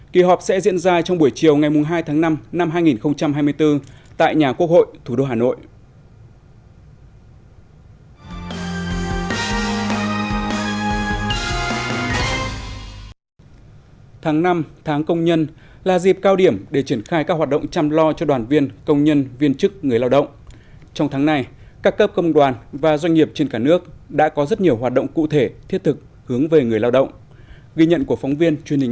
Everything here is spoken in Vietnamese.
kỳ họp sẽ diễn ra trong buổi chiều ngày hai tháng năm năm hai nghìn hai mươi bốn tại nhà quốc hội thủ đô hà nội